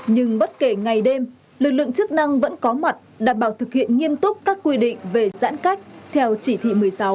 nhưng bất kể ngày đêm lực lượng chức năng vẫn có mặt đảm bảo thực hiện nghiêm túc các quy định về giãn cách theo chỉ thị một mươi sáu